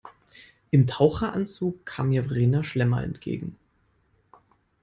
Im Taucheranzug kam mir Verena Schlemmer entgegen.